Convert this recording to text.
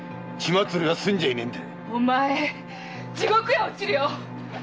お前地獄へ堕ちるよ！